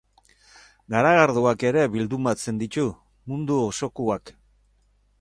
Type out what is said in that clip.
Garagardoak ere bildumatzen ditu, mundu osokoak.